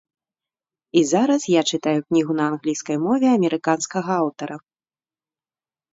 І зараз я чытаю кнігу на англійскай мове амерыканскага аўтара.